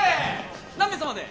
何名様で？